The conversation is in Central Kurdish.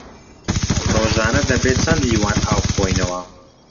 ڕۆژانە دەبێ چەند لیوان ئاو بخۆینەوە؟